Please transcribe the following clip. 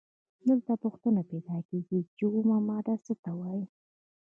دلته پوښتنه پیدا کیږي چې اومه ماده څه ته وايي؟